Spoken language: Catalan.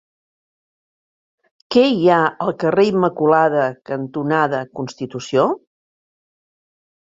Què hi ha al carrer Immaculada cantonada Constitució?